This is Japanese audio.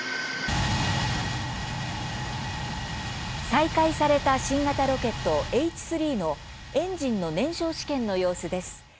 再開された新型ロケットＨ３のエンジンの燃焼試験の様子です。